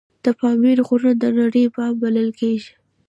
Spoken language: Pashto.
د پامیر غرونه د نړۍ بام بلل کیږي